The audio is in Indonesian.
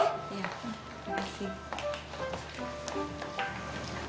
iya terima kasih